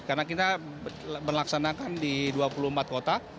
karena kita berlaksanakan di dua puluh empat kota